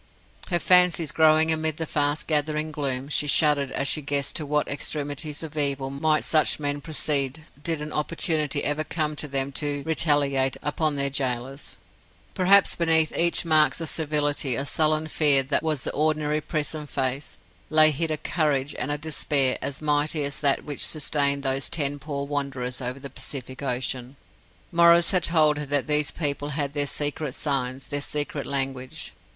Her fancies growing amid the fast gathering gloom, she shuddered as she guessed to what extremities of evil might such men proceed did an opportunity ever come to them to retaliate upon their gaolers. Perhaps beneath each mask of servility and sullen fear that was the ordinary prison face, lay hid a courage and a despair as mighty as that which sustained those ten poor wanderers over the Pacific Ocean. Maurice had told her that these people had their secret signs, their secret language.